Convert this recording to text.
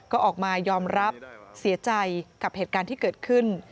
ก็ออกมายอมรับเสียใจกับเหตุการณ์ที่เกิดขึ้น